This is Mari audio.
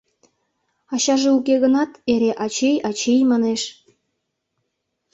Ачаже уке гынат, эре «ачий, ачий» манеш...